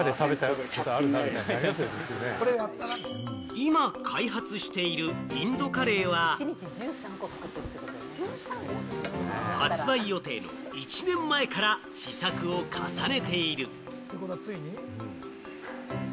今、開発しているインドカレーは発売予定の１年前から試作を重ねている。